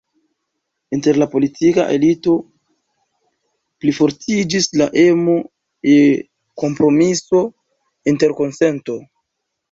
Inter la politika elito plifortiĝis la emo je kompromiso, interkonsento.